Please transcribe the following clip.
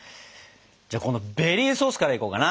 じゃあこのベリーソースからいこうかな。